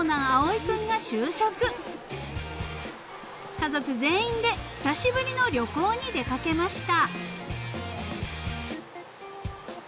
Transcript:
［家族全員で久しぶりの旅行に出掛けました］